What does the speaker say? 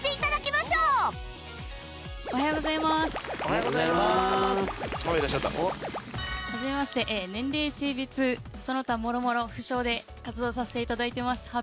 はじめまして年齢性別その他諸々不詳で活動させて頂いてます。